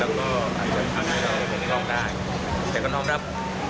แล้วก็อาจจะทำให้เราไม่ลองร้ายจะก็นอกรับ